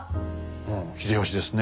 うん秀吉ですね。